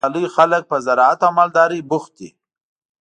دګرمسیر ولسوالۍ خلګ په زراعت او مالدارۍ بوخت دي.